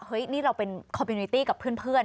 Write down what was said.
นี่เราเป็นคอมพิวนิตี้กับเพื่อน